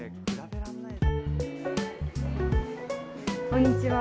こんにちは。